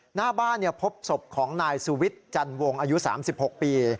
หน้าบ้านพบศพของนายสุวิทย์จันวงอายุ๓๖ปี